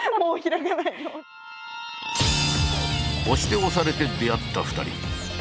推して推されて出会った２人。